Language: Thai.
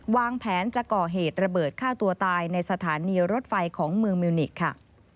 วางแผนจะก่อเหตุระเบิดฆ่าตัวตายในสถานีรถไฟของเมืองมิวนิกค่ะ